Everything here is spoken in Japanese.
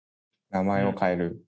名前を変える？